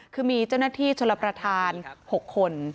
คือมีเจ้าหน้าที่ชลประธาน๖คน